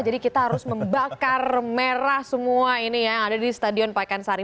jadi kita harus membakar merah semua ini ya yang ada di stadion pakensari